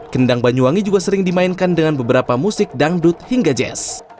kendang banyuwangi juga sering dimainkan dengan beberapa musik dangdut hingga jazz